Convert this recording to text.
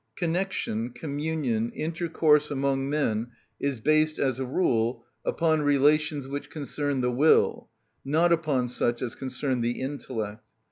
Connection, communion, intercourse among men is based, as a rule, upon relations which concern the will, not upon such as concern the intellect.